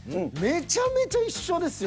めちゃめちゃ一緒ですよ